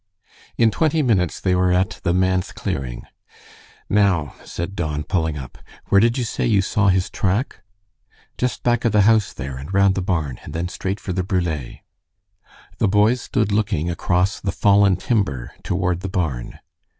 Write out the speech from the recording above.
In twenty minutes they were at the manse clearing. "Now," said Don, pulling up, "where did you say you saw his track?" "Just back of the house there, and round the barn, and then straight for the brule." The boys stood looking across the fallen timber toward the barn.